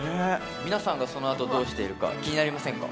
皆さんがそのあとどうしているか気になりませんか？